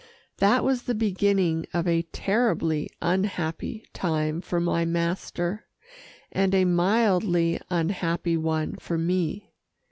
That was the beginning of a terribly unhappy time for my master, and a mildly unhappy one for me.